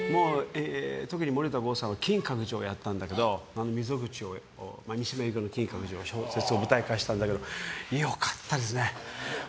特に森田剛さんは「金閣寺」やったんだけど三島由紀夫の小説を舞台化したんだけど良かったですね。